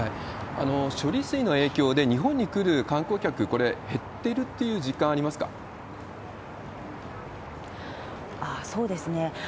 処理水の影響で日本に来る観光客、これ、減ってるっていう実そうですね。